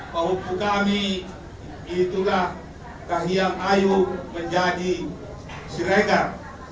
pahupu kami itulah kahiyam ayu menjadi siregar